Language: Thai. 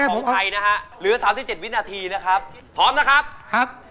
ของไทยนะฮะเหลือสามสิบเจ็ดวินาทีนะครับพร้อมนะครับครับ